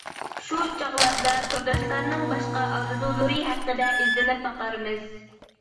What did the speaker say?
شۇ چاغلاردا تورداشلارنىڭ باشقا ئارزۇلىرى ھەققىدە ئىزدىنىپ باقارمىز.